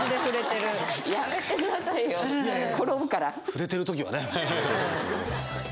振れてる時はね。